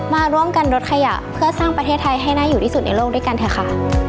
มาร่วมกันลดขยะเพื่อสร้างประเทศไทยให้น่าอยู่ที่สุดในโลกด้วยกันเถอะค่ะ